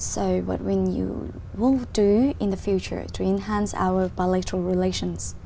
sẽ giúp đỡ năng lực